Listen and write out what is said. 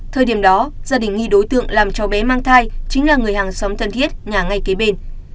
thời điểm đó gia đình nghi đối tượng làm cho bé mang thai chính là người hàng xóm thân thiết nhà ngay kế bên